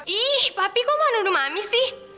ih papi kok mau nunggu mami sih